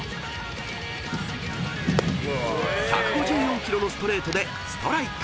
［１５４キロのストレートでストライク］